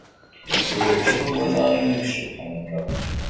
Werǧin walaɣ ayen i icebḥen akka.